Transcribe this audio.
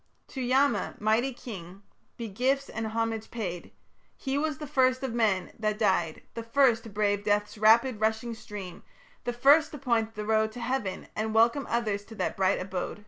Rigveda, x, 14, 1. To Yama, mighty King, be gifts and homage paid, He was the first of men that died, the first to brave Death's rapid rushing stream, the first to point the road To heaven, and welcome others to that bright abode.